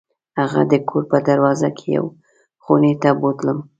هغه د کور په دروازه کې یوې خونې ته بوتلم.